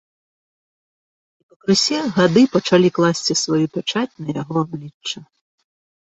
І пакрысе гады пачалі класці сваю пячаць на яго аблічча.